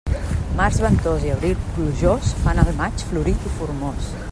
Març ventós i abril plujós fan el maig florit i formós.